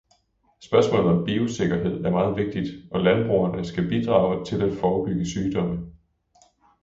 Spørgsmålet om biosikkerhed er meget vigtigt, og landbrugerne skal bidrage til at forebygge sygdomme.